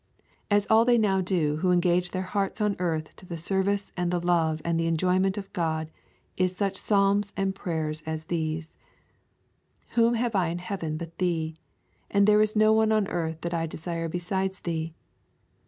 As all they now do who engaged their hearts on earth to the service and the love and the enjoyment of God is such psalms and prayers as these: 'Whom have I in heaven but Thee? and there is no one on earth that I desire beside Thee.